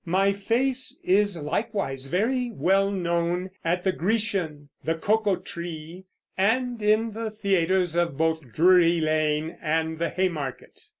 My face is likewise very well known at the Grecian, the Cocoa Tree, and in the theaters both of Drury Lane and the Haymarket.